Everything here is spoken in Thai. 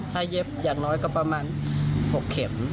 ถ้าเย็บอย่างน้อยก็ประมาณ๖เข็ม